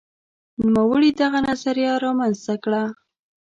نوموړي دغه نظریه رامنځته کړه.